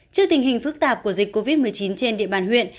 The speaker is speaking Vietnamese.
trước tình hình phức tạp của dịch covid một mươi chín trên địa bàn huyện